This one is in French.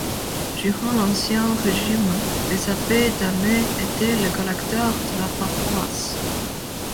Durant l’Ancien Régime, les abbés d’Amay étaient les collateurs de la paroisse.